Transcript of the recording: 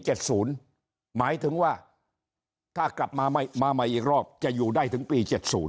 หมายถึงว่าถ้ากลับมาใหม่อีกรอบจะอยู่ได้ถึงปี๗๐